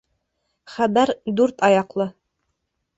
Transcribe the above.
Хәбәр дүрт аяҡлы.